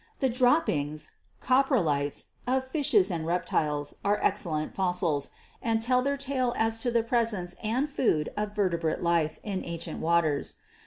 The droppings (coprolites) of fishes and rep tiles are excellent fossils, and tell their tale as to the presence and food of vertebrate life in ancient waters.